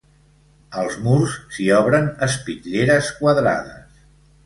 Als murs s'hi obren espitlleres quadrades.